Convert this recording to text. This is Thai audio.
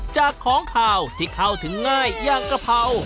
จากของขาวที่เข้าถึงง่ายอย่างกะเพรา